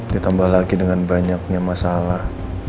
ditambah lagi dengan banyaknya masalah